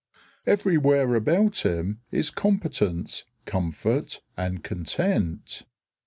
Everywhere about him is competence, comfort, and content.